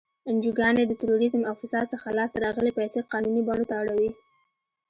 انجوګانې د تروریزم او فساد څخه لاس ته راغلی پیسې قانوني بڼو ته اړوي.